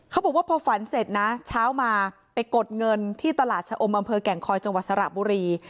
เขาบอกว่าพอฝันเสร็จนะเช้ามาไปกดเงินที่ตลาดชะอมอำเภอแก่งคอยจังหวัดสระบุรี